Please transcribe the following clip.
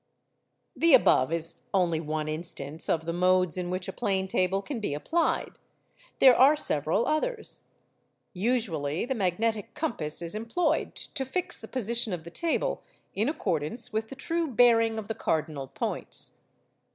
The above is only one instance of the modes in which a plane table can be applied; there are several others. Usually the magnetic compass is employed to fix the position of the table in accordance with the true bearing of the cardinal points.